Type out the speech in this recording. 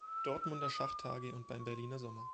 Dortmunder Schachtage und beim Berliner Sommer.